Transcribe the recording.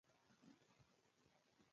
د انفلونزا واکسین وکړم؟